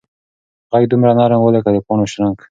غږ دومره نرم و لکه د پاڼو شرنګ.